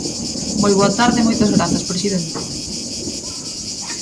Moi boa tarde e moitas grazas, presidente.